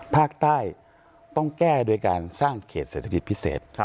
ภาคใต้ต้องแก้โดยการสร้างเขตเศรษฐกิจพิเศษ